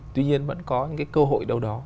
tuy nhiên vẫn có những cái cơ hội đâu đó